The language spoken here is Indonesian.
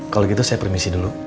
kalau gitu saya permisi dulu